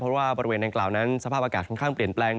เพราะว่าบริเวณดังกล่าวนั้นสภาพอากาศค่อนข้างเปลี่ยนแปลง